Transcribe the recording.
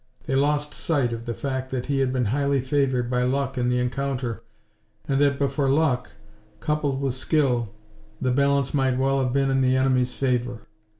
They lost sight of the fact that he had been highly favored by luck in the encounter and that but for luck, coupled with skill, the balance might well have been in the enemy's favor.